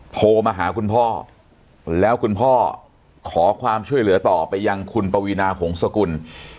โทรมาหาคุณพ่อแล้วคุณพ่อขอความช่วยเหลือต่อไปยังคุณปวีนาหงศกุล